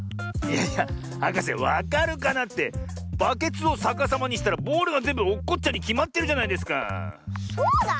いやいやはかせ「わかるかな？」ってバケツをさかさまにしたらボールがぜんぶおっこっちゃうにきまってるじゃないですかあ。